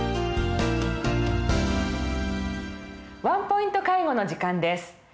「ワンポイント介護」の時間です。